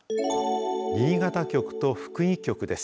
新潟局と福井局です。